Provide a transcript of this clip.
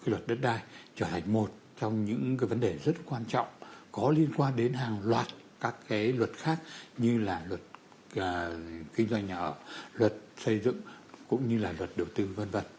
luật đất đai trở thành một trong những vấn đề rất quan trọng có liên quan đến hàng loạt các luật khác như là luật kinh doanh nhà ở luật xây dựng cũng như là luật đầu tư v v